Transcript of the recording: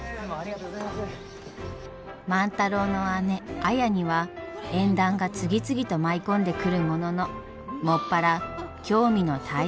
万太郎の姉綾には縁談が次々と舞い込んでくるものの専ら興味の対象は商い。